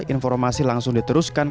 informasi langsung diteruskan ke kapal